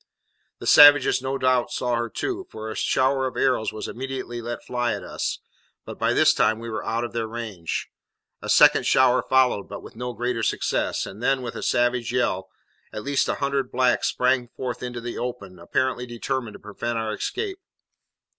The savages no doubt saw her too, for a shower of arrows was immediately let fly at us; but by this time we were out of their range. A second shower followed, but with no greater success; and then, with a savage yell, at least a hundred blacks sprang forth into the open, apparently determined to prevent our escape.